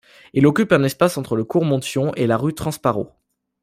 Il occupe un espace entre le cours Monthyon et la rue Transparots.